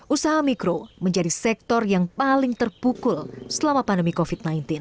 usaha mikro menjadi sektor yang paling terpukul selama pandemi covid sembilan belas